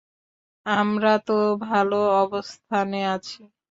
আমরা তো ভালো অবস্থানে আছি।